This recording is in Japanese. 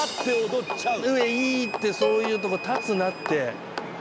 いいってそういうとこ立つなって。